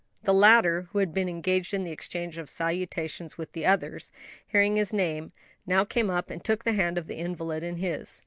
The latter, who had been engaged in the exchange of salutations with the others, hearing his name, now came up and took the hand of the invalid in his.